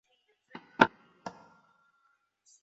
瓦永纳站是这一地区的一个重要交通枢纽。